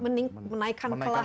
mening menaikkan kelas lah